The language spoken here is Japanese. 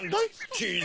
チーズ。